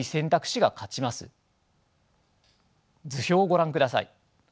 図表をご覧ください。